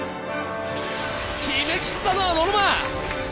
決めきったのはノロマ！